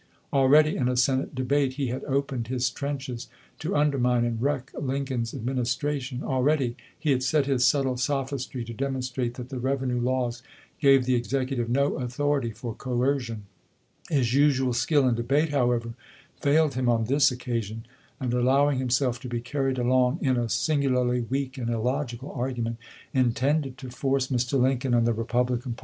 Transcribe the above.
Already in a Senate debate he had opened his trenches to undermine and wreck Lincoln's Administration. Already he had set his subtle sophistry to demonstrate that the revenue laws gave the Executive no authority for coercion. His usual skill in debate, however, failed him on this occasion ; and allowing himself to be carried along in a singularly weak and illogical argument, THE CALL TO AKMS 81 intended to force Mr. Lincoln and the Republican chap.